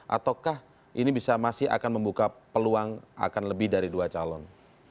ataukah ini bisa masih akan membuka peluang akan lebih dari dua calon